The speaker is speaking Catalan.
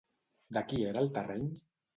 De qui era el terreny?